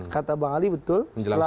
kata bang ali betul